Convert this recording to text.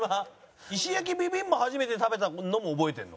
石焼ビビンバ初めて食べたのも覚えてるの？